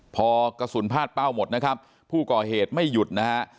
พอกระสุนพาดเป้าหมดนะครับผู้ก่อเหตุไม่หยุดนะฮะ